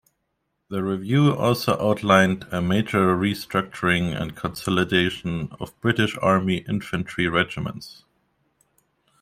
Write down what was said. The review also outlined a major restructuring and consolidation of British Army Infantry regiments.